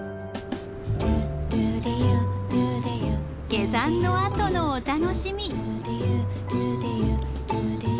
下山のあとのお楽しみ。